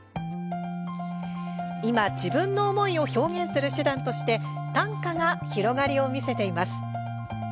今、自分の思いを表現する手段として短歌が広がりを見せています。